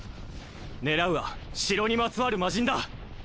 狙うは城にまつわるマジンだ